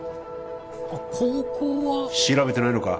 あっ高校は調べてないのか？